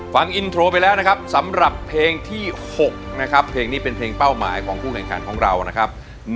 ฟังอินโทรไปแล้วนะครับสำหรับเพลงที่๖นะครับเพลงนี้เป็นเพลงเป้าหมายของผู้แข่งขันของเรานะครับ